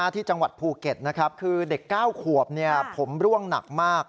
ที่จังหวัดภูเก็ตนะครับคือเด็ก๙ขวบผมร่วงหนักมาก